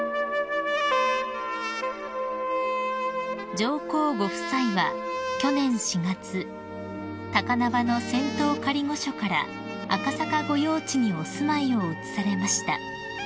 ［上皇ご夫妻は去年４月高輪の仙洞仮御所から赤坂御用地にお住まいを移されました］